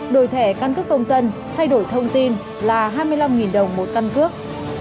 đổi thẻ căn cước công dân thay đổi thông tin là hai mươi năm đồng một căn cước